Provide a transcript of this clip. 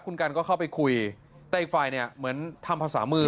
คุณกันก็เข้าไปคุยแต่อีกฝ่ายเนี่ยเหมือนทำภาษามือ